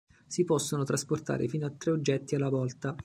Si possono trasportare fino a tre oggetti alla volta.